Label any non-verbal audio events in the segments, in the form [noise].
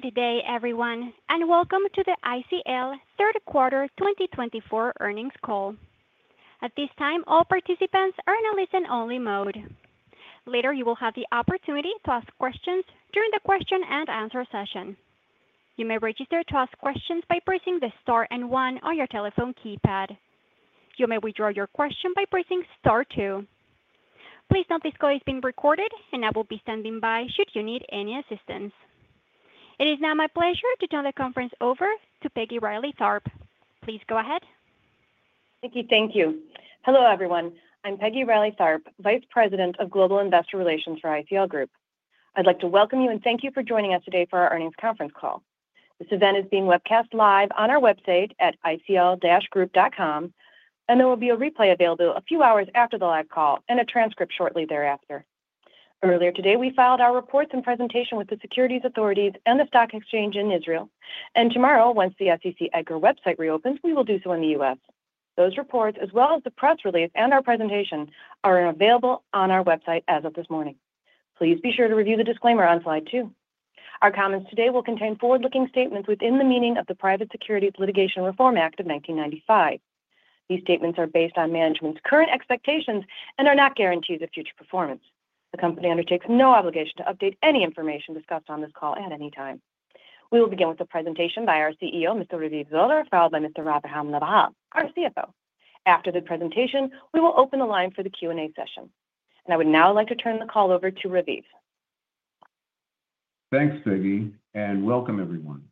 Good day everyone and welcome to the ICL third quarter 2024 earnings call. At this time, all participants are in a listen-only mode. Later, you will have the opportunity to ask questions during the question and answer session. You may register to ask questions by pressing the star and 1 on your telephone keypad. You may withdraw your question by pressing star 2. Please note this call is being recorded and I will be standing by should you need any assistance. It is now my pleasure to turn the conference over to Peggy Reilly Tharp. Please go ahead. Thank you. Hello everyone, I'm Peggy Reilly Tharp, Vice President of Global Investor Relations for ICL Group. I'd like to welcome you and thank you for joining us today for our earnings conference call. This event is being webcast live on our website at icl-group.com and there will be a replay available a few hours after the live call and a transcript shortly thereafter. Earlier today we filed our reports and presentation with the securities authorities and the stock exchange in Israel and tomorrow, once the SEC Edgar website reopens, we will do so in the U.S. Those reports as well as the press release and our presentation are available on our website as of this morning. Please be sure to review the disclaimer on slide 2. Our comments today will contain forward-looking statements within the meaning of the Private Securities Litigation Reform Act of 1995. These statements are based on management's current expectations and are not guarantees of future performance. The Company undertakes no obligation to update any information discussed on this call at any time. We will begin with a presentation by our CEO, Mr. Raviv Zoller, followed by Mr. Aviram Lahav, our CFO. After the presentation we will open the line for the Q and A session and I would now like to turn the call over to Raviv. Thanks, Peggy, and welcome, everyone.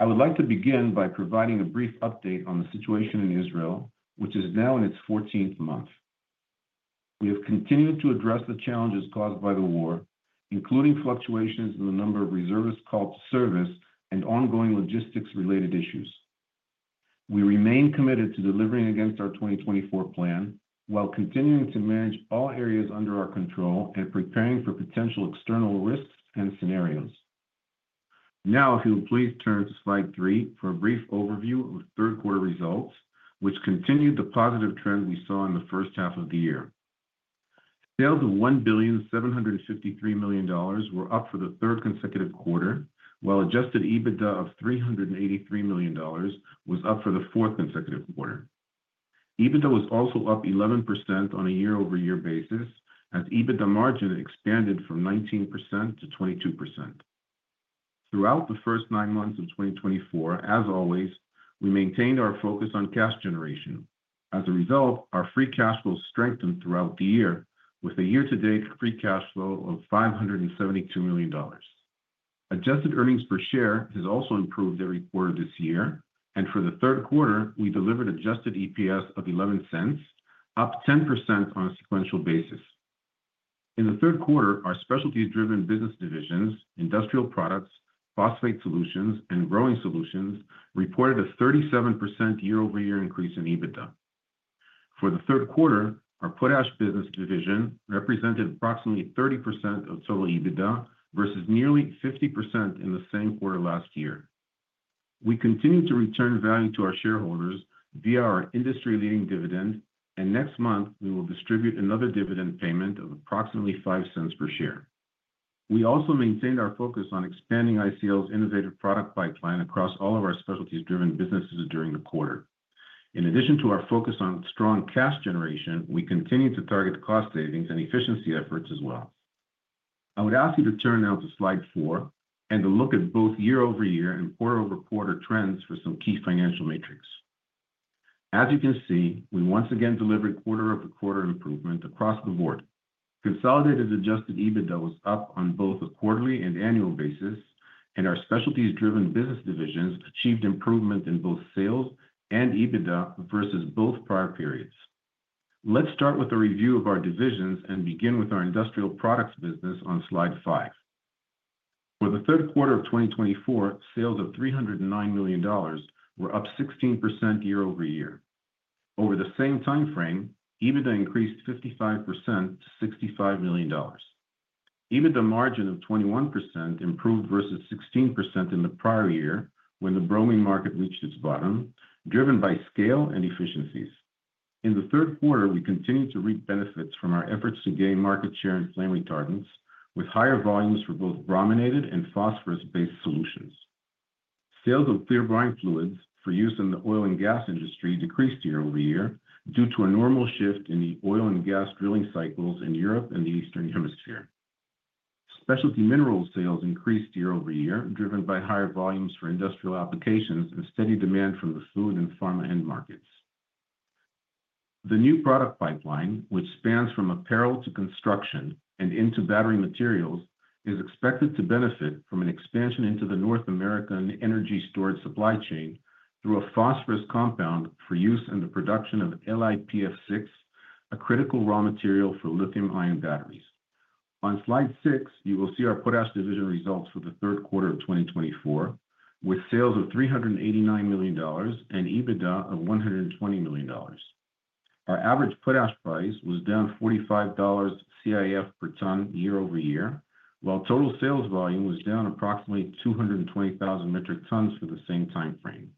I would like to begin by providing a brief update on the situation in Israel which is now in its 14th month. We have continued to address the challenges caused by the war including fluctuations in the number of reservists called to service and ongoing logistics related issues. We remain committed to delivering against our 2024 plan while continuing to manage all areas under our control and preparing for potential external risks and scenarios. Now if you would please turn to slide 3 for a brief overview of third quarter results which continued the positive trend we saw in the first half of the year. Sales of $1.753 billion were up for the third consecutive quarter while adjusted EBITDA of $383 million was up for the fourth consecutive quarter. EBITDA was also up 11% on a year-over-year basis as EBITDA margin expanded from 19% to 22% throughout the first nine months of 2024. As always, we maintained our focus on cash generation. As a result, our free cash flow strengthened throughout the year with a year to date free cash flow of $572 million. Adjusted earnings per share has also improved every quarter this year and for the third quarter we delivered adjusted EPS of $0.11 up 10% on a sequential basis. In the third quarter our specialty-driven business divisions, Industrial Products, Phosphate Solutions and Growing Solutions reported a 37% year-over-year increase in EBITDA. For the third quarter our Potash business division represented approximately 30% of total EBITDA versus nearly 50% in the same quarter last year. We continue to return value to our shareholders via our industry leading dividend and next month we will distribute another dividend payment of approximately $0.05 per share. We also maintained our focus on expanding ICL's innovative product pipeline across all of our specialties driven businesses during the quarter. In addition to our focus on strong cash generation, we continue to target cost savings and efficiency efforts as well. I would ask you to turn now to slide four and to look at both year-over-year and quarter-over-quarter trends for some key financial metrics. As you can see, we once again delivered quarter-over-quarter improvement across the board. Consolidated Adjusted EBITDA was up on both a quarterly and annual basis and our specialties-driven business divisions achieved improvement in both sales and EBITDA versus both prior periods. Let's start with a review of our divisions and begin with our Industrial Products business on slide 5. For the third quarter of 2024, sales of $309 million were up 16% year-over-year. Over the same time frame, EBITDA increased 55% to $65 million. EBITDA margin of 21% improved versus 16% in the prior year when the bromine market reached its bottom. Driven by scale and efficiencies in the third quarter, we continued to reap benefits from our efforts to gain market share in flame retardants with higher volumes for both brominated and phosphorus-based solutions. Sales of Clear Brine Fluids for use in the oil and gas industry decreased year-over-year due to a normal shift in the oil and gas drilling cycles in Europe and the Eastern Hemisphere. Specialty mineral sales increased year-over-year driven by higher volumes for industrial applications and steady demand from the food and pharma end markets. The new product pipeline, which spans from apparel to construction and into battery materials is expected to benefit from an expansion into the North American energy storage supply chain through a phosphorus compound for use in the production of LiPF6, a critical raw material for lithium-ion batteries. On slide 6 you will see our potash division results for the third quarter of 2024 with sales of $389 million and EBITDA of $120 million. Our average potash price was down $45 CIF per ton year-over-year while total sales volume was down approximately 220,000 metric tons for the same time frame.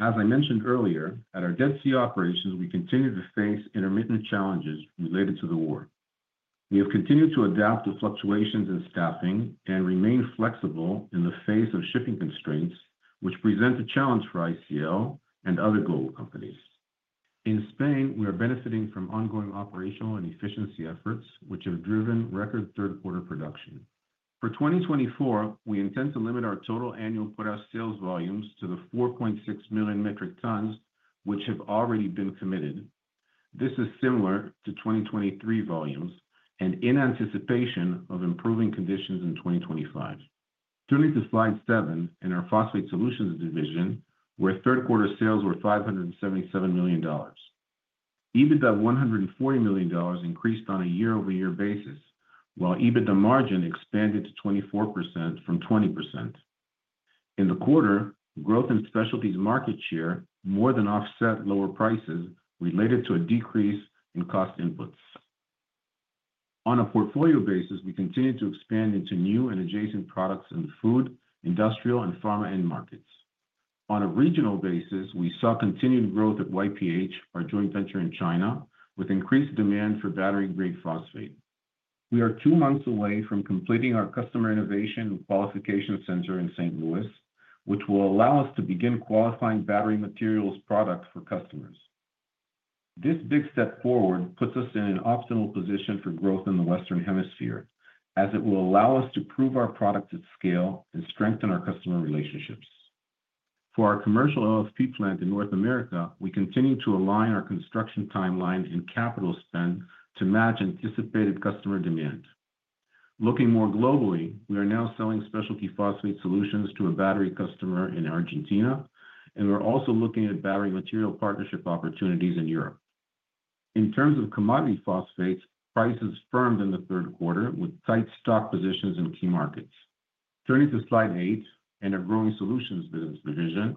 As I mentioned earlier, at our Dead Sea operations we continue to face intermittent challenges related to the war. We have continued to adapt to fluctuations in staffing and remain flexible in the face of shipping constraints which present a challenge for ICL and other global companies. In Spain, we are benefiting from ongoing operational and efficiency efforts which have driven record third quarter production for 2024. We intend to limit our total annual potash sales volumes to the 4.6 million metric tons which have already been committed. This is similar to 2023 volumes and in anticipation of improving conditions in 2025. Turning to Slide 7 in our Phosphate Solutions division where third quarter sales were $577 million, EBITDA $140 million increased on a year-over-year basis while EBITDA margin expanded to 24% from 20% in the quarter. Growth in specialties market share more than offset lower prices related to a decrease in cost inputs. On a portfolio basis, we continue to expand into new and adjacent products in the food, industrial and pharma end markets. On a regional basis, we saw continued growth at YPH, our joint venture in China with increased demand for battery grade phosphate. We are two months away from completing our Customer Innovation Qualification Center in St. Louis which will allow us to begin qualifying battery materials products for customers. This big step forward puts us in an optimal position for growth in the Western Hemisphere as it will allow us to prove our products at scale and strengthen our customer relationships. For our commercial LFP plant in North America, we continue to align our construction timeline and capital spend to match anticipated customer demand. Looking more globally, we are now selling specialty phosphate solutions to a battery customer in Argentina and we're also looking at battery material partnership opportunities in Europe in terms of commodity phosphates. Prices firmed in the third quarter with tight stock positions in key markets. Turning to Slide 8 and a Growing Solutions business division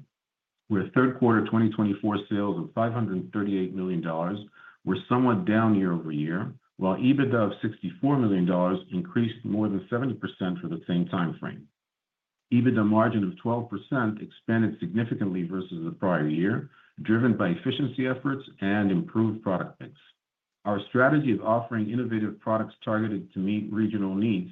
where third quarter 2024 sales of $538 million were somewhat down year-over-year while EBITDA of $64 million increased more than 70% for the same time frame. EBITDA margin of 12% expanded significantly versus the prior year, driven by efficiency efforts and improved product mix. Our strategy of offering innovative products targeted to meet regional needs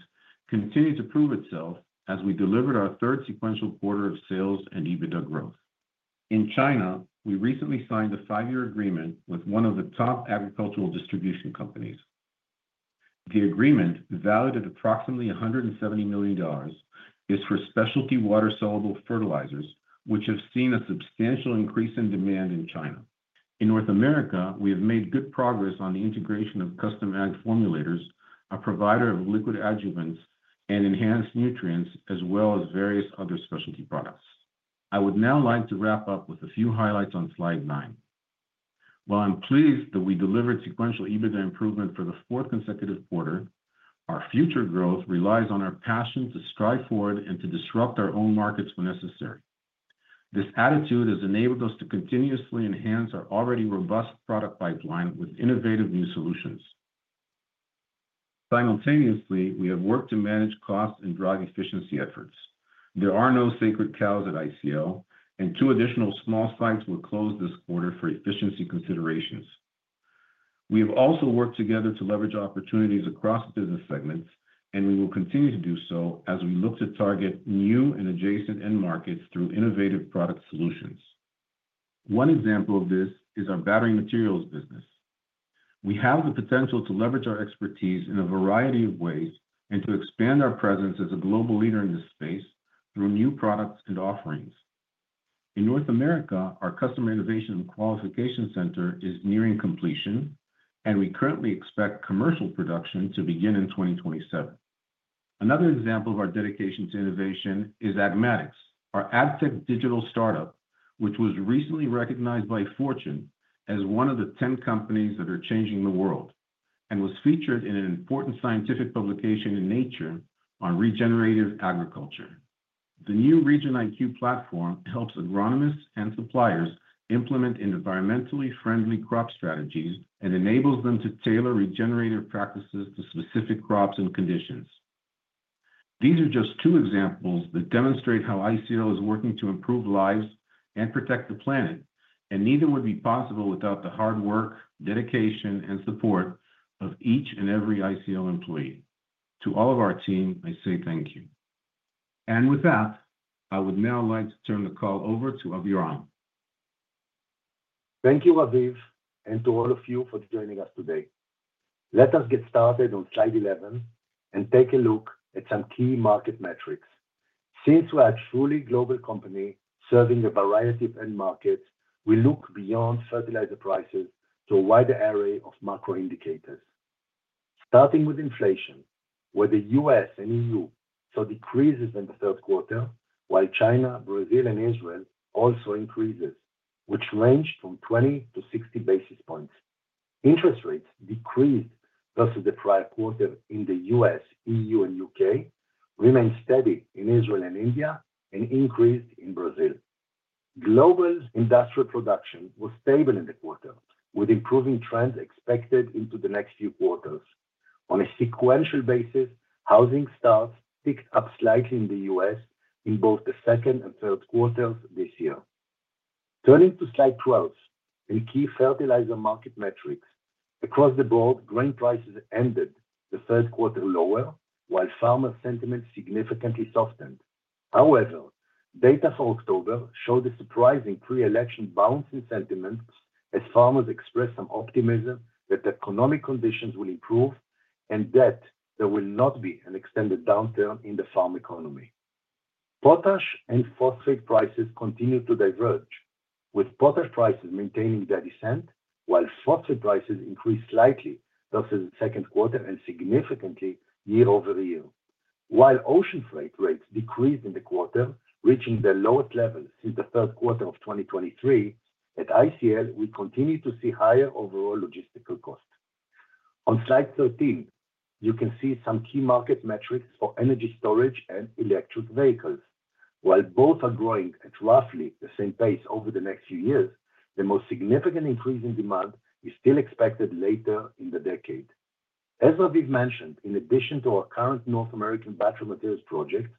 continued to prove itself as we delivered our third sequential quarter of sales and EBITDA growth in China. We recently signed a five-year agreement with one of the top agricultural distribution companies. The agreement, valued at approximately $170 million, is for specialty water soluble fertilizers, which have seen a substantial increase in demand in China. In North America, we have made good progress on the integration of Custom Ag Formulators, a provider of liquid adjuvants and enhanced nutrients, as well as various other specialty products. I would now like to wrap up with a few highlights on slide nine. While I'm pleased that we delivered sequential EBITDA improvement for the fourth consecutive quarter, our future growth relies on our passion to strive forward and to disrupt our own markets when necessary. This attitude has enabled us to continuously enhance our already robust product pipeline with innovative new solutions. Simultaneously, we have worked to manage costs and drive efficiency efforts. There are no sacred cows at ICL and two additional small sites were closed this quarter for efficiency considerations. We have also worked together to leverage opportunities across business segments and we will continue to do so as we look to target new and adjacent end markets through innovative product solutions. One example of this is our battery materials business. We have the potential to leverage our expertise in a variety of ways and to expand our presence as a global leader in this space through new products and offerings in North America. Our Customer Innovation Qualification Center is nearing completion and we currently expect commercial production to begin in 2027. Another example of our dedication to innovation is Agmatix, our Agtech digital startup which was recently recognized by Fortune as one of the 10 companies that are changing the world and was featured in an important scientific publication in Nature on Regenerative Agriculture. The new RegenIQ platform helps agronomists and suppliers implement environmentally friendly crop strategies and enables them to tailor regenerative practices to specific crops and conditions. These are just two examples that demonstrate how ICL is working to improve lives and protect the planet, and neither would be possible without the hard work, dedication and support of each and every ICL employee. To all of our team I say thank you. And with that I would now like to turn the call over to Aviram. Thank you, Raviv, and to all of you for joining us today. Let us get started on slide 11 and take a look at some key market metrics. Since we are a truly global company serving a variety of end markets, we look beyond fertilizer prices to a wider array of macro indicators, starting with inflation, where the U.S. and E.U. saw decreases in the third quarter, while China, Brazil, and Israel saw increases which ranged from 20-60 basis points. Interest rates decreased versus the prior quarter in the U.S., E.U., and U.K., remained steady in Israel and India, and increased in Brazil. Global industrial production was stable in the quarter with improving trends expected into the next few quarters on a sequential basis. Housing starts picked up slightly in the U.S. in both the second and third quarters this year. Turning to Slide 12 in key fertilizer market metrics across the board, grain prices ended the third quarter lower while farmer sentiment significantly softened. However, data for October showed a surprising pre-election bounce in sentiment as farmers expressed some optimism that economic conditions will improve and that there will not be an extended downturn in the farm economy. Potash and phosphate prices continue to diverge with potash prices maintaining their descent while phosphate prices increased slightly in the third quarter and significantly year-over-year while ocean freight rates decreased in the quarter reaching the lowest level since the third quarter of 2023. At ICL we continue to see higher overall logistical cost. On Slide 13 you can see some key market metrics for energy storage and electric vehicles. While both are growing at roughly the same pace over the next few years, the most significant increase in demand is still expected later in the decade. As Raviv mentioned, in addition to our current North American battery materials project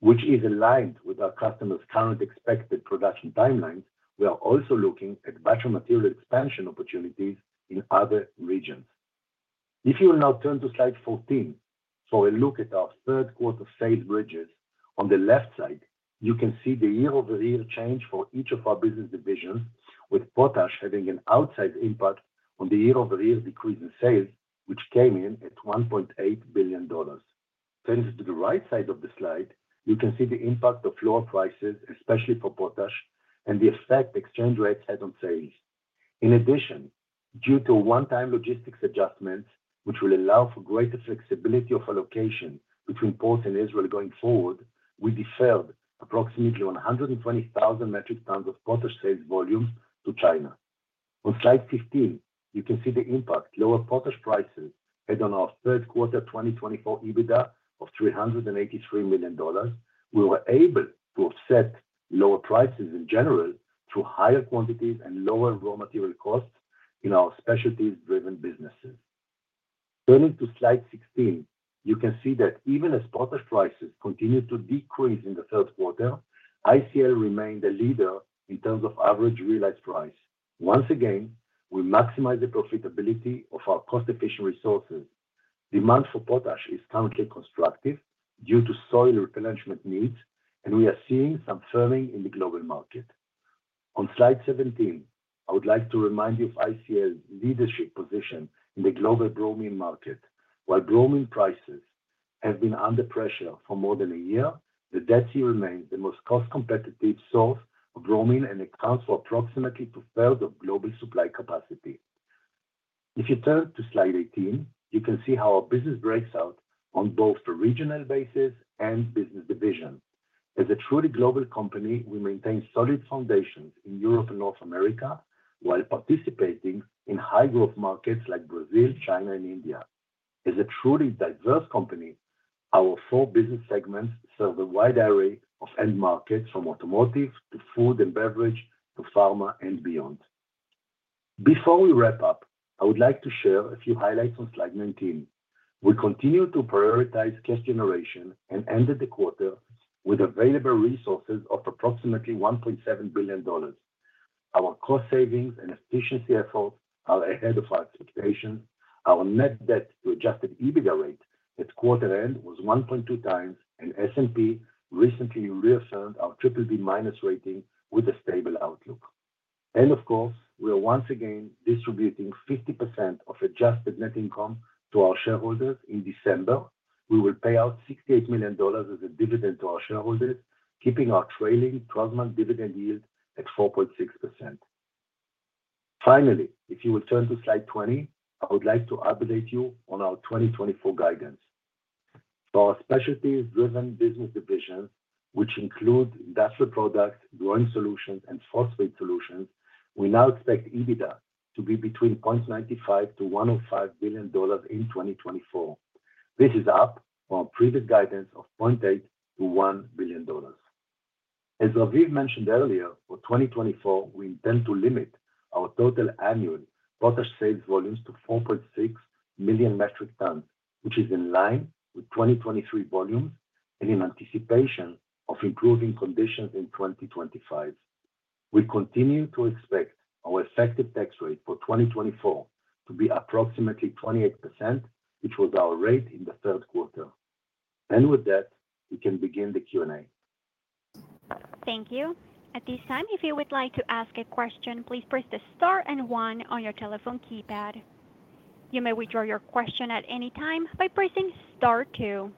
which is aligned with our customers current expected production timelines, we are also looking at battery material expansion opportunities in other regions. If you will now turn to Slide 14 for a look at our third quarter sales bridges, on the left side you can see the year-over-year change for each of our business divisions with potash having an outsized impact on the year-over-year decrease in sales which came in at $1.8 billion. Turning to the right side of the slide, you can see the impact of lower prices especially for potash and the effect exchange rates had on sales. In addition, due to one-time logistics adjustments which will allow for greater flexibility of allocation between ports and Israel going forward, we deferred approximately 120,000 metric tons of potash sales volume to China. On slide 15 you can see the impact lower potash prices had on our third quarter 2024 EBITDA of $383 million. We were able to offset lower prices in general through higher quantities and lower raw material costs in our specialties-driven businesses. Turning to slide 16, you can see that even as potash prices continued to decrease in the third quarter, ICL remained a leader in terms of average realized price. Once again we maximize the profitability of our cost-efficient resources. Demand for potash is currently constructive due to soil replenishment needs and we are seeing some firming in the global market. On slide 17 I would like to remind you of ICL's leadership position in the global bromine market. While bromine prices have been under pressure for more than a year, the Dead Sea remains the most cost competitive source of bromine and accounts for approximately two-thirds of global supply capacity. If you turn to slide 18, you can see how our business breaks out on both a regional basis and business division. As a truly global company, we maintain solid foundations in Europe and North America while participating in high growth markets like Brazil, China and India. As a truly diverse company, our four business segments serve a wide array of end markets from automotive to food and beverage to pharma and beyond. Before we wrap up, I would like to share a few highlights. On slide 19 we continue to prioritize cash generation and ended the quarter with available resources of approximately $1.7 billion. Our cost savings and efficiency efforts are ahead of our expectations. Our net debt to adjusted EBITDA ratio at quarter end was 1.2 times and S&P recently reaffirmed our BBB- rating with a stable outlook, and of course we are once again distributing 50% of adjusted net income to our shareholders. In December we will pay out $68 million as a dividend to our shareholders, keeping our trailing twelve month dividend yield at 4.6%. Finally, if you will turn to slide 20, I would like to update you on our 2024 guidance for our specialties-driven business divisions which include Industrial Products, Growing Solutions and Phosphate Solutions. We now expect EBITDA to be between $0.95 billion and $1.05 billion in 2024. This is up our previous guidance of $0.8 billion-$1 billion. As Raviv mentioned earlier, for 2024 we intend to limit our total annual potash sales volumes to 4.6 million metric tonnes, which is in line with 2023 volumes. In anticipation of improving conditions in 2025, we continue to expect our effective tax rate for 2024 to be approximately 28% which was our rate in the third quarter. With that we can begin the Q&A. Thank you. At this time, if you would like to ask a question, please press star and 1 on your telephone keypad. You may withdraw your question at any time by pressing star 2.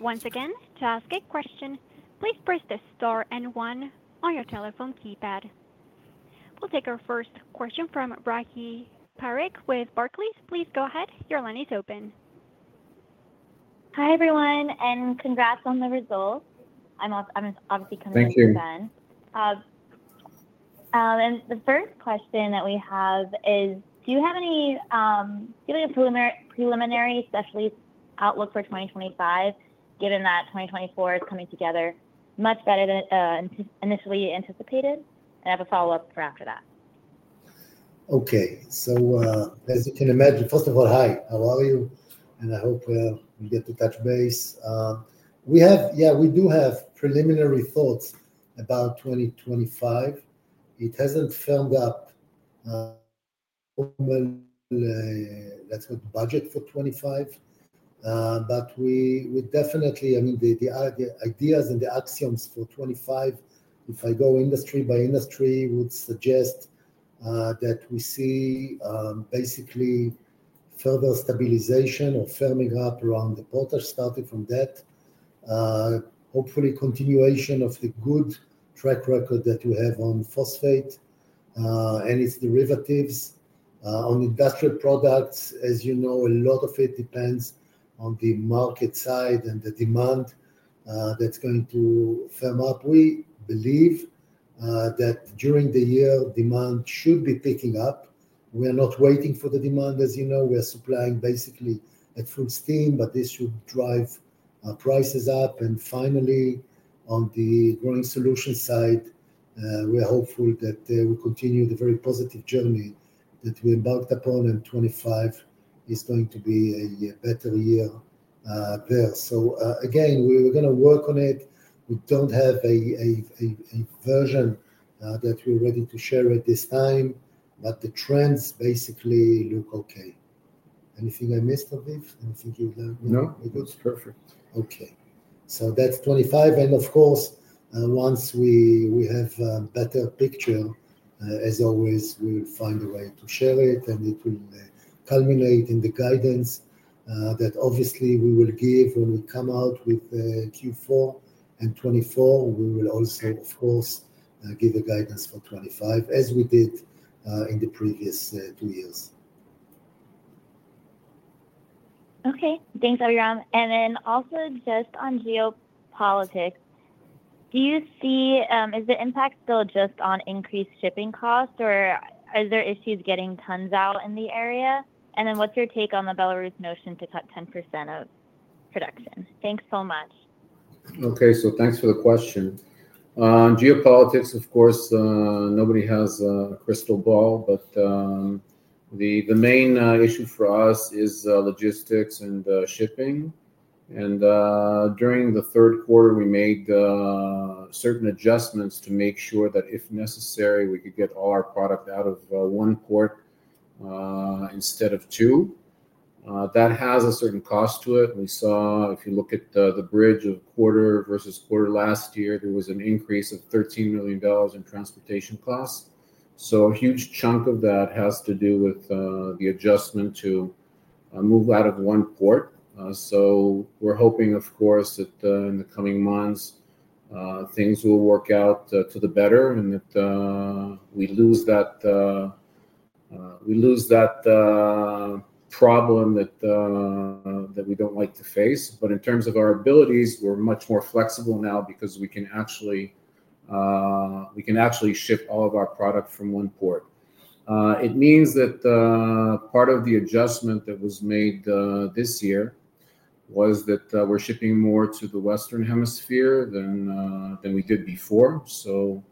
Once again, to ask a question, please press star and 1 on your telephone keypad. We'll take our first question from Rahi Parikh with Barclays. Please go ahead. Your line is open. Hi everyone and congrats on the results. I'm calling and the first question that we have is do you have any preliminary specialty outlook for 2025 given that 2024 is coming together much better than anticipated, initially anticipated and have. A follow-up for after. That. Okay, so as you can imagine, first of all, hi, how are you? And I hope we get to touch base. We have, yeah, we do have preliminary thoughts about 2025. It hasn't firmed up. That's the budget for 2025. But we definitely, I mean the ideas and the assumptions for 2024, if I go industry by industry would suggest that we see basically further stabilization or firming up around the potash. Starting from that, hopefully continuation of the good track record that we have on phosphate and its derivatives on industrial products. As you know, a lot of it depends on the market side and the demand that's going to firm up. We believe that during the year demand should be picking up. We are not waiting for the demand, as you know, we are supplying basically at full steam, but this should drive prices up. And finally, on the growing solution side, we're hopeful that we continue the very positive journey that we embarked upon and 2025 is going to be a better year there. So again we're going to work on it. We don't have a version that we're ready to share at this time, but the trends basically look okay. Anything I missed, Raviv? [crosstalk] No, that's. Perfect. Okay, so that's 25. Of course, once we have a better picture, as always, we'll find a way to share it, and it will culminate in the guidance that obviously we will give when we come out with Q4 and 24. We will also, of course, give a guidance for 2025 as we did in the previous two years. Okay, thanks, Aviram. And then also just on geopolitics, do you see is the impact still just on increased shipping costs or is there issues getting tons out of the area? And then what's your take on the Belarus notion to cut 10% of production? Thanks so much. Okay, so thanks for the question. Geopolitics, of course, nobody has a crystal ball but the main issue for us is logistics and shipping and during the third quarter we made certain adjustments to make sure that if necessary we could get all our product out of one port instead of two that has a certain cost to it. We saw if you look at the bridge of quarter versus quarter last year there was an increase of $13 million in transportation costs. So a huge chunk of that has to do with the adjustment to move out of one port. So hoping of course that in the coming months things will work out to the better and that we lose that problem that we don't like to face. But in terms of our abilities, we're much more flexible now because we can actually ship all of our product from one port. It means that part of the adjustment that was made this year was that we're shipping more to the western hemisphere than we did before. So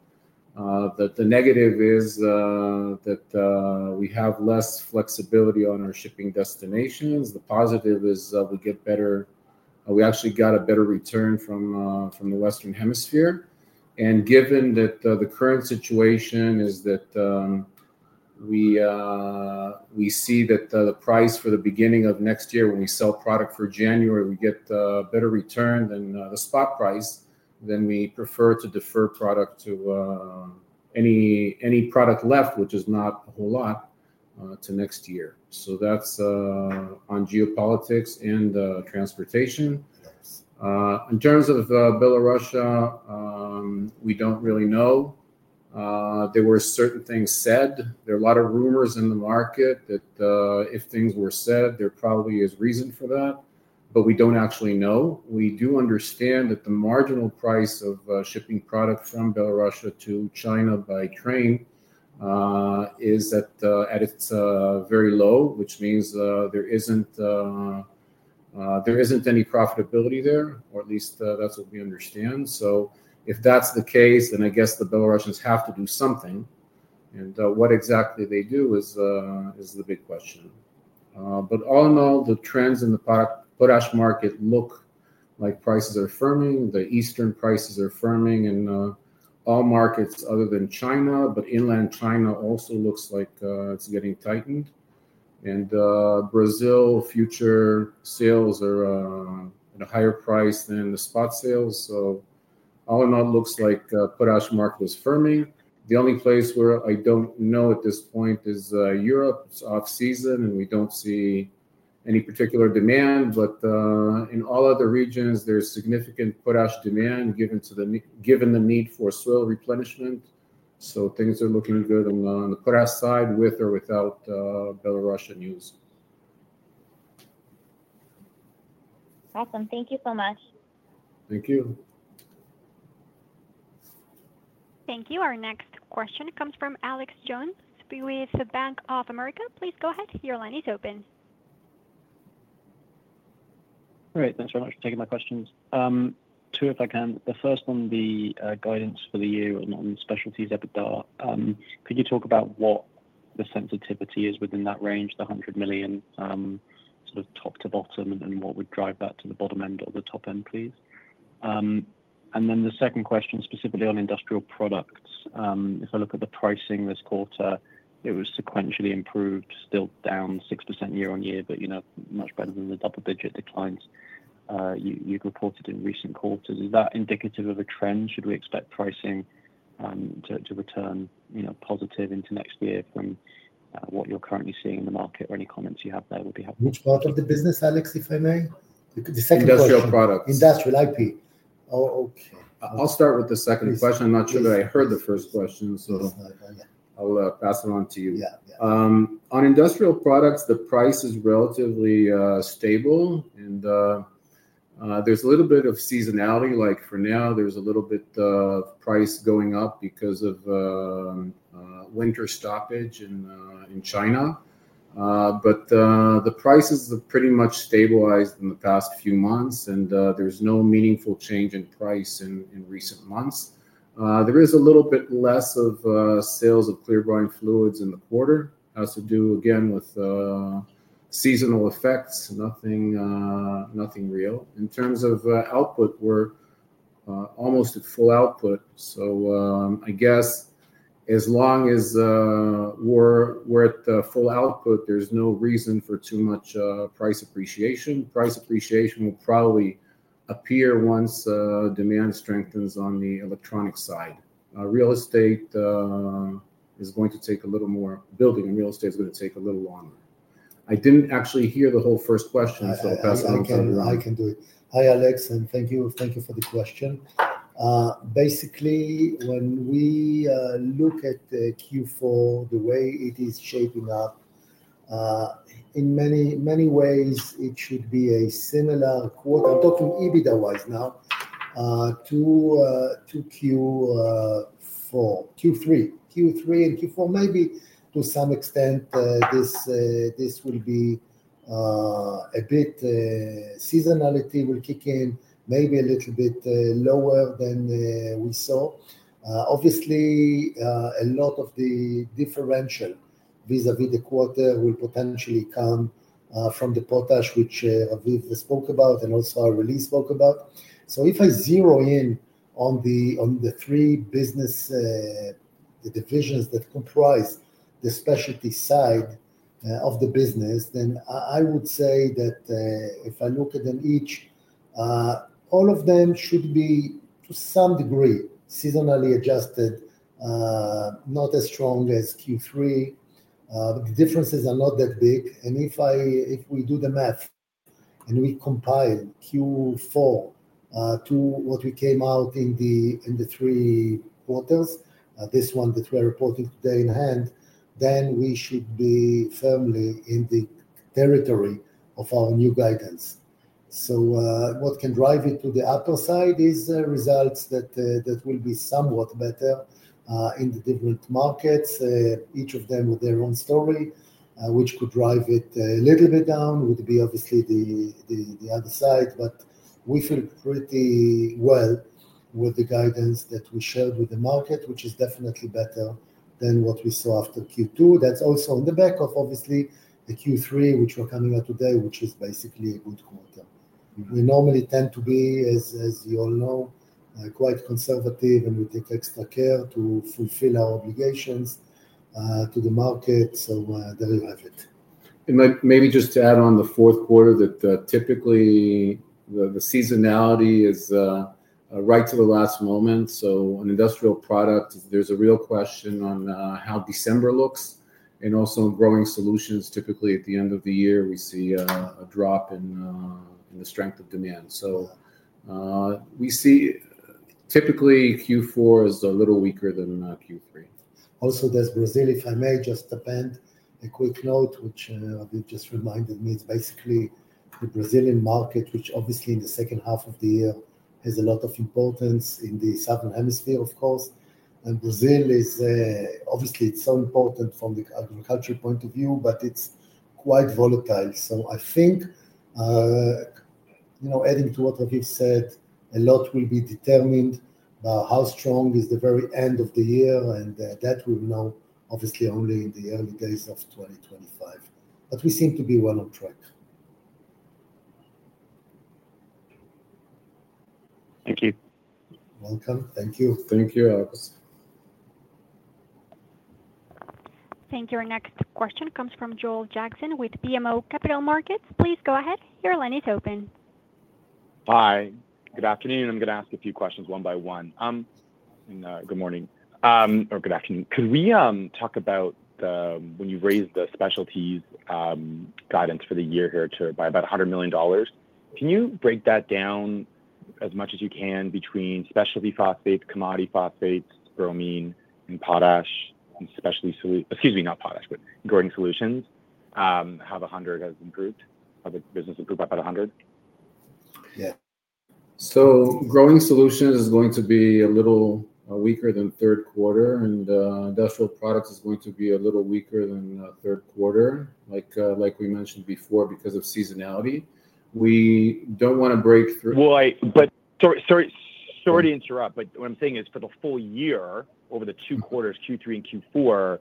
the negative is that we have less flexibility on our shipping destinations. The positive is we get better. We actually got a better return from the western hemisphere. And given that the current situation is that we see that the price for the beginning of next year when we sell product for January, we get better return than the spot price, then we prefer to defer product to any product left, which is not a whole lot to next year. So that's on geopolitics and transportation. In terms of Belarusian, we don't really know. There were certain things said. There are a lot of rumors in the market that if things were said there probably is reason for that, but we don't actually know. We do understand that the marginal price of shipping product from Belarusian to China by train is that it's very low, which means there isn't any profitability there. Or at least that's what we understand, so if that's the case, then I guess the Belarusians have to do something, and what exactly they do is the big question, but all in all, the trends in the production market look like prices are firming, the eastern prices are firming and all markets other than China, but inland China also looks like it's getting tightened and Brazil future sales are at a higher price than the spot sales. So all in all looks like potash market is firming. The only place where I don't know at this point is Europe. It's off-season and we don't see any particular demand. But in all other regions there's significant potash demand given the need for soil replenishment. So things are looking good on the side with or without Belarusian news. Awesome. Thank you so much. Thank you. Thank you. Our next question comes from Alex Jones with Bank of America. Please go ahead, your line is. Okay. Great. Thanks very much for taking my questions. Two if I can. The first one, the guidance for the year on specialties EBITDA. Could you talk about what the. Sensitivity is within that. Range? The $100 million sort of top to bottom and what would drive that to the bottom end or the top end, please. And then the second question specifically on industrial products, if I look at the pricing this quarter, it was sequentially improved, still down 6% year on year but you know, much better than the double-digit declines you've reported in recent quarters. Is that indicative of a trend? Should we expect pricing to return, you know, positive into next year from what you're currently seeing in the market or any comments you have there. Would be which part of the business? Alex, if I may, the second Industrial Products [crosstalk] Oh, okay, I'll start with the second question. I'm not sure that I heard the first question so I'll pass it on to you. Yeah on industrial products the price is relatively stable and there's a little bit of seasonality like for now there's a little bit like of price going up because of winter stoppage in China. But the prices have pretty much stabilized in the past few months and there's no meaningful change in price in recent months. There is a little bit less of sales of clear brine fluids in the quarter, has to do again with seasonal effects. Nothing, nothing real. And in terms of output, we're almost at full output. So I guess as long as we're at the full output, there's no reason for too much price appreciation. Price appreciation will probably appear once demand strengthens. On the electronic side, real estate is going to take a little more building and real estate is going to take a little longer. I didn't actually hear the whole first question. I can do it. Hi Alex and thank you. Thank you for the question. Basically when we look at Q4, the way it is shaping up in many, many ways it should be a similar quarter. I'm talking EBITDA-wise. Now to Q4, Q3 and Q4 maybe to some extent this will be a bit seasonality will kick in maybe a little bit lower than we saw. Obviously a lot of the differential vis-à-vis the quarter will potentially come from the potash which we spoke about and also our release spoke about. So if I zero in on the three business divisions that comprise the specialty side of the business, then I would say that if I look at them each, all of them should be to some degree, seasonally adjusted, not as strong as Q3. The differences are not that big. And if I, if we do the math and we compile Q4 to what we came out in the three quarters, this one that we are reporting today in hand, then we should be firmly in the territory of our new guidance. So what can drive it to the upper side is results that will be somewhat better in the different markets, each of them with their own store rate, which could drive it a little bit down, would be obviously the other side. But we feel pretty well with the guidance that we shared with the market, which is definitely better than what we saw after Q2. That's also on the back of obviously the Q3, which we're coming out today, which is basically a good quarter. We normally tend to be, as you all know, quite conservative and we think extra care to fulfill our obligations to the market. So maybe just to add on the fourth quarter that typically the seasonality is right to the last moment. So an industrial product, there's a real question on how December looks. And also Growing Solutions, typically at the end of the year we see a drop in the strength of demand. So we see typically Q4 is a little weaker than our Q3. Also there's Brazil, if I may just append a quick note, which we've just reminded me is basically the Brazilian market, which obviously in the second half of the year has a lot of importance in the Southern Hemisphere, of course, and Brazil is obviously, it's so important from the agricultural point of view, but it's quite volatile. So, I think, you know, adding to what Raviv said, a lot will be determined by how strong is the very end of the year. And that will know obviously only in the early days of 2025. But we seem to be well on track. Thank you. Welcome. Thank you. Thank you. Thank you. Our next question comes from Joel Jackson with BMO Capital Markets. Please go ahead. Your line is. Hi, good afternoon. I'm going to ask a few questions one by one. Good morning or good afternoon. Could we talk about when you raised the specialties guidance for the year here by about $100 million? Can you break that down as much as you can between specialty phosphates, commodity phosphates, bromine and potash especially. Excuse me, not potash, but Growing Solutions have 100, has improved. Industrial business improved by about. Yeah. So Growing Solutions is going to be a little weaker than third quarter and Industrial Products is going to be a little weaker than third quarter. Like, like we mentioned before, because of seasonality, we don't want to break. Right, but so sorry to interrupt, but what I'm saying is for. The full year over the 2024 Q3 and Q4,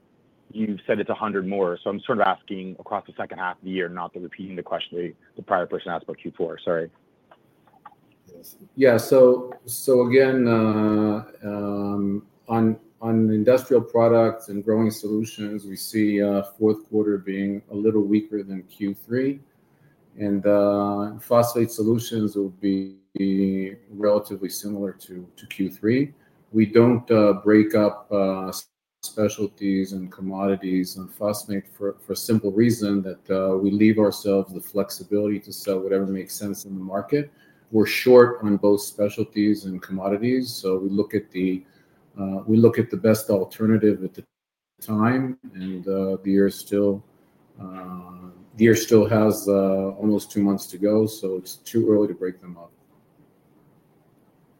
you've said it's 100 more. So I'm sort of asking across the second half of the year, not repeating the question the prior person asked about. Q4. Sorry. Yeah, so. So again on industrial products and growing solutions, we see fourth quarter being a little weaker than Q3, and phosphate solutions will be relatively similar to Q3. We don't break up specialties and commodities on phosphate for simple reason that we leave ourselves the flexibility to sell whatever makes sense in the market. We're short on both specialties and commodities, so we look at the best alternative at the time. And the year is still. The year still has almost two months to go, so it's too early to break them up.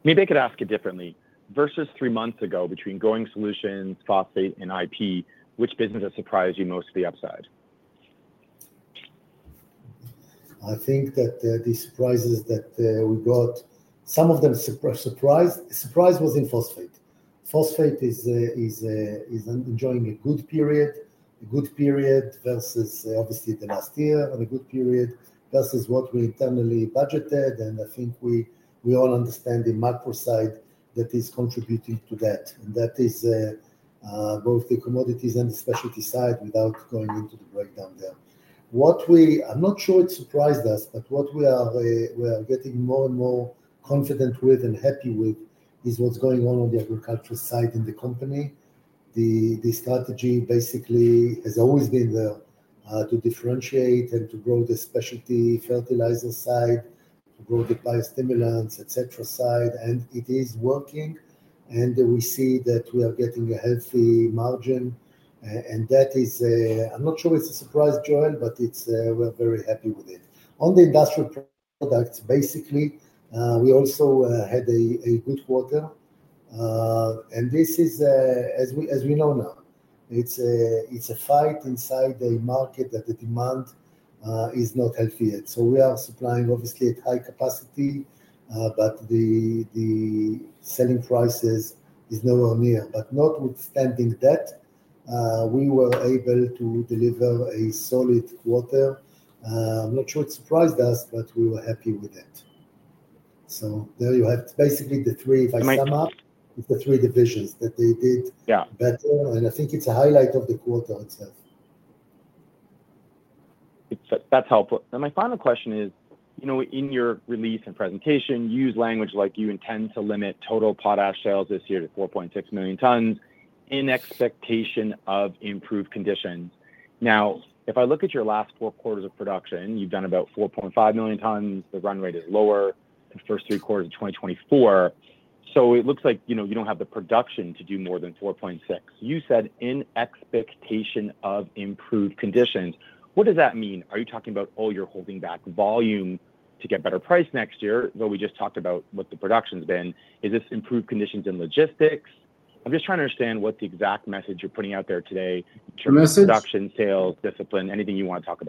Maybe I could ask you differently versus three months ago between Growing Solutions, Phosphate and IP, which business has surprised you most to the upside? I think that the surprises that we got, some of the surprise was in phosphate. Phosphate is enjoying a good peak period. A good period versus obviously the last year on a good period versus what we internally budgeted. And I think we all understand the macro side that is contributing to that and that is both the commodities and the specialty side. Without going into the breakdown there, I'm not sure it surprised us but what we are getting more and more confident with and happy with is what's going on on the agricultural side in the company. The strategy basically has always been there to differentiate and to grow the specialty fertilizer side, to grow the biostimulants etc. side and it is working and we see that we are getting a healthy margin and that is. I'm not sure it's a surprise Joel, but we're very happy with it. On the Industrial Products basically we also had a good quarter and this is as we know now it's a fight inside the market that the demand is not healthy yet. So we are supplying obviously at high capacity but the selling prices is nowhere near. But notwithstanding that we were able to deliver a solid quarter. Not sure it surprised us but we were happy with it that. So there you have basically the three. If I sum up the three divisions that they did. Yeah. Better. And I think it's a highlight of the quarter itself. That helpful. And my final question is, you know, in your release and presentation, use language like you intend to limit total potash sales this year to 4.6 million tons in expectation of improved conditions. Now if I look at your last four quarters of production, you've done about 4.5 million tons. The run rate is lower the first three quarters, 2024. So it looks like, you know, you don't have the production to do more than 4.6. You said in expectation of improved conditions. What does that mean? Are you talking about. Oh, you're holding back volume to get better price next year though. We just talked about what the production has been. Is this improved conditions and logistics? I'm just trying to understand what the exact message is putting out there today. Production, sales discipline, anything you want to talk.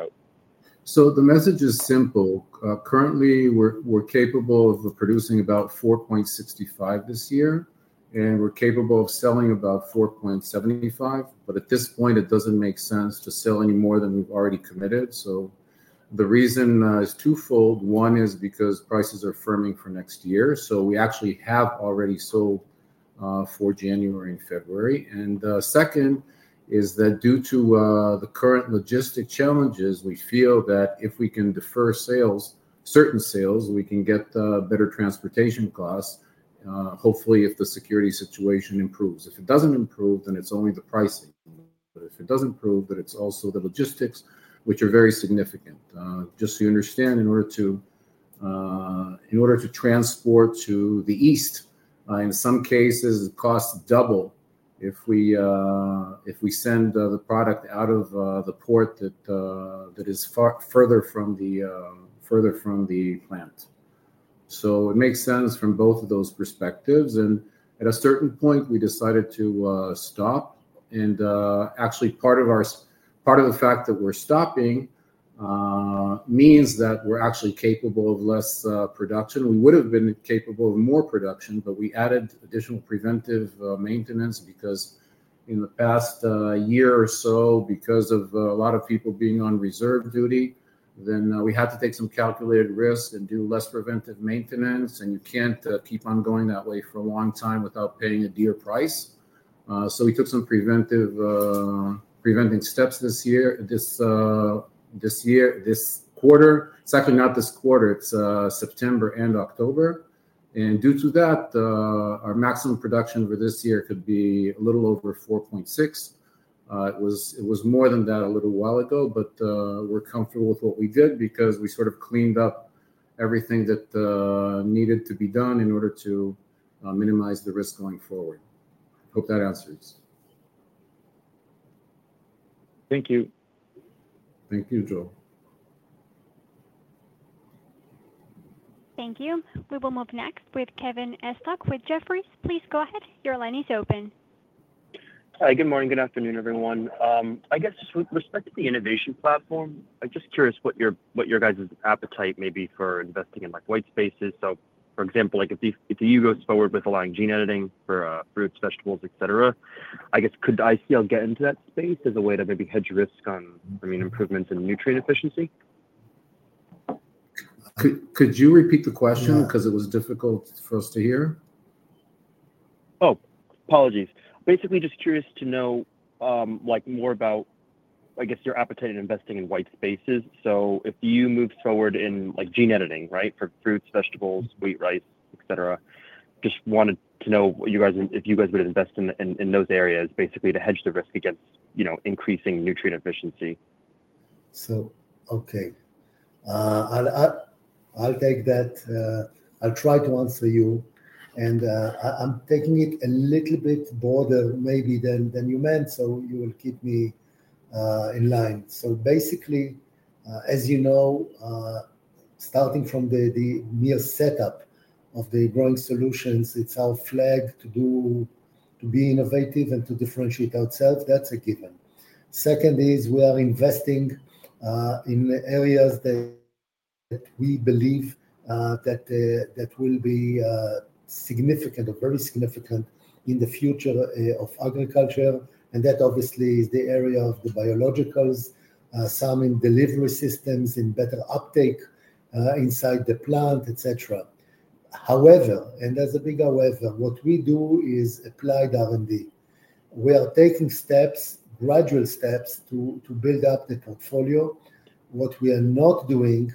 So the message is simple. Currently we're capable of producing about 4.65 this year and we're capable of selling about 4.75. But at this point it doesn't make sense to sell any more than we've already committed. So the reason is twofold. One is because prices are firming for next year, so we actually have already sold for January and February. And second is that due to the current logistic challenges, we feel that if we can defer sales, certain sales, we can get better transportation costs, hopefully if the security situation improves. If it doesn't improve, then it's only the pricing. But if it doesn't improve, it's also the logistics, which are very significant. Just so you understand, in order to transport to the east, in some cases costs double if we send the product out of the port that is farther from the plant. So it makes sense from both of those perspectives. And at a certain point we decided to stop. Actually, part of the fact that we're stopping means that we're actually capable of less production. We would have been capable of more production, but we added additional preventive maintenance because in the past year or so, because of a lot of people being on reserve duty, we had to take some calculated risks and do less preventive maintenance. You can't keep on going that way for a long time without paying a dear price. We took some preventive steps this year, this quarter. It's actually not this quarter, it's September and October. And due to that our maximum production for this year could be a little over 4.6. It was more than that a little while ago, but we're comfortable with what we did because we sort of cleaned up everything that needed to be done in order to minimize the risk going forward. Hope that answers. Thank you. Thank you Joe. Thank you. We will move next with Kevin Estok with Jefferies. Please go ahead. Your line is open. Hi, good morning, good afternoon everyone. I guess with respect to the innovation platform, I'm just curious what your guys appetite may be for investing in like white spaces. So for example like if the EU goes forward with allowing gene editing for fruits, vegetables, et cetera, I guess could ICL get into that space as a way to maybe hedge risk on, I mean improvements in nutrient efficiency. Could you repeat the question because it was difficult for us to. Oh, apologies. Basically just curious to know like more about I guess your appetite in investing in white spaces. So if you move forward in like gene editing, right, for fruits, vegetables, wheat, rice, et cetera. Just wanted to know if you guys would invest in those areas basically to hedge the risk against, you know, increasing nutrient efficiency. Okay, I'll take that, I'll try to answer you and I'm taking it a little bit broader maybe than you meant, so you will keep me in line, so basically, as you know, starting from the mere setup of the growing solutions, it's our flag to do, to be innovative and to differentiate ourselves. That's a given. Second is we are investing in areas that we believe that will be significant or very significant in the future of agriculture. And that obviously is the area of the biologicals, some in delivery systems, in better uptake inside the plant, etc. However, and as a big however, what we do is applied R&D, we are taking steps, gradual steps to build up the portfolio. What we are not doing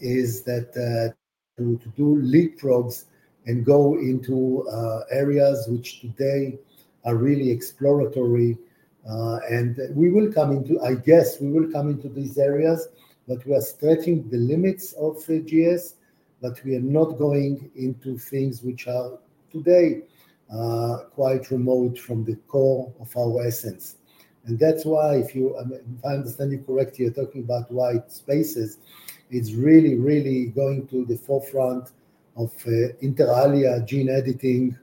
is to do leapfrogs and go into areas which today are really exploratory, and we will come into. I guess we will come into these areas, but we are stretching the limits of GS, but we are not going into things which are today quite remote from the core of our essence. That's why if you, if I understand you correctly, you're talking about white spaces, really really going to the forefront of inter alia, gene editing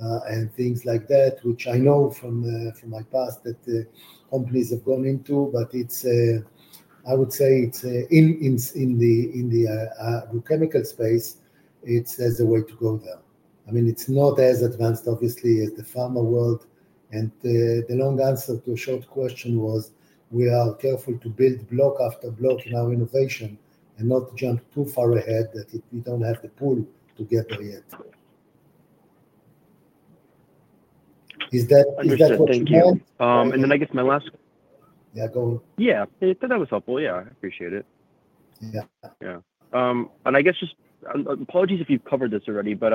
and things like that which I know from my past that the companies have gone into. But it's, I would say, in the agrochemical space. It's as a way to go there. I mean it's not as advanced obviously as the pharma world. The long answer to a short question was, we are careful to build block after block in our innovation and not jump too far ahead that we don't have the pull together yet. Is that understood? Thank you. Yeah, that was helpful. Yeah, I appreciate it. Yeah. Yeah. And I guess just apologies if you've covered this already, but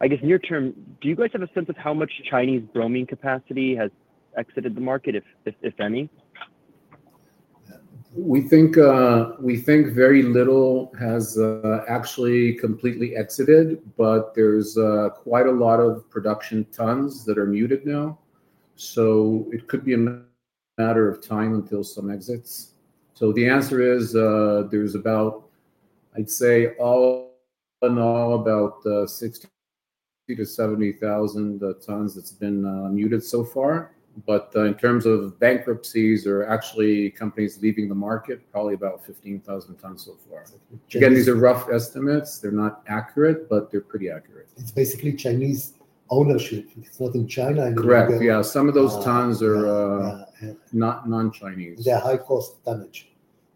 I guess near term, do you guys have a sense of how much Chinese bromine capacity has exited the market, if? Any? We think very little has actually completely exited, but there's quite a lot of production tons that are muted now. So it could be a matter of time until some exits. So the answer is there's about, I'd say, all about 60-70,000 tons that's been muted so far. But in terms of bankruptcies or actually companies leaving the market, probably about 15,000 tons so far. Again, these are rough estimates. They're not accurate, but they're pretty accurate. It's basically Chinese ownership. It's not in China. Correct, yeah. Some of those tons are not non-Chinese. They're high cost.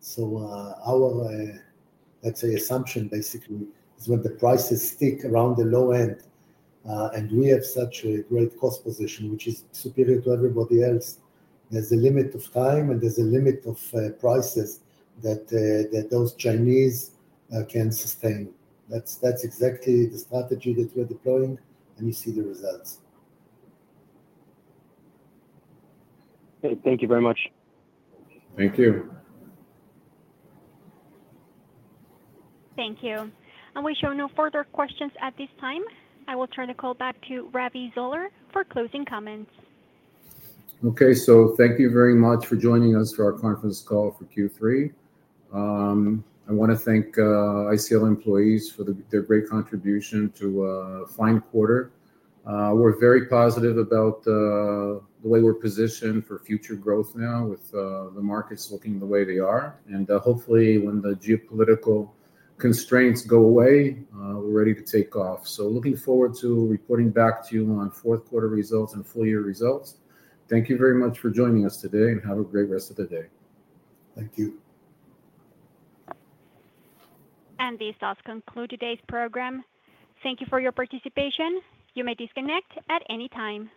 So our, let's say, assumption basically is when the prices stick around the low end and we have such a great cost position which is superior to everybody else, there's a limit of time and there's a limit of prices that those Chinese can sustain. That's exactly the strategy that we're deploying and you see the results. Thank you very much. Thank you. Thank you. And we show no further questions at this time. I will turn the call back to Raviv Zoller for closing. Okay, so thank you very much for joining us for our conference call for Q3. I want to thank ICL employees for their great contribution to this quarter. We're very positive about the way we're positioned for future growth now with the markets looking the way they are and hopefully when the geopolitical constraints go away, we're ready to take off. So looking forward to reporting back to you on fourth quarter results and full year results. Thank you very much for joining us today and have a great rest of the day. Thank you. And this does conclude today's program. Thank you for your participation. You may disconnect at anytime.